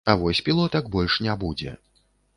А вось пілотак больш не будзе.